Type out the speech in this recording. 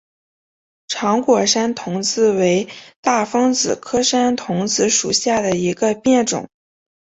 长果山桐子为大风子科山桐子属下的一个变种。